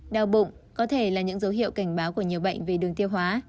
đau bụng có thể là những dấu hiệu cảnh báo của nhiều bệnh về đường tiêu hóa